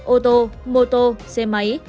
ô tô mô tô xe máy